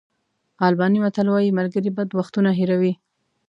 آلباني متل وایي ملګري بد وختونه هېروي.